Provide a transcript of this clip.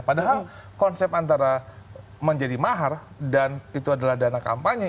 padahal konsep antara menjadi mahar dan itu adalah dana kampanye